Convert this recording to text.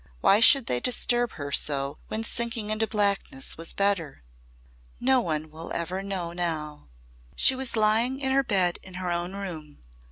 Why should they disturb her so when sinking into blackness was better? "Now no one will ever know." She was lying in her bed in her own room.